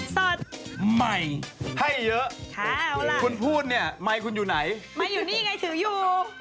สดใหม่ให้เยอะคุณพูดเนี่ยไมค์คุณอยู่ไหนไมค์อยู่นี่ไงถืออยู่